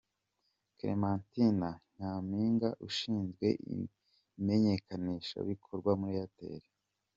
Clementine Nyampinga ushinzwe imenyekanishabikorwa muri Airtel.